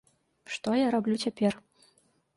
Што я раблю цяпер?